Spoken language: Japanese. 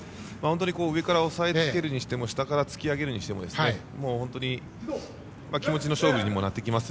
上から押さえつけるにしても下から突き上げるにしても気持ちの勝負にもなってきます。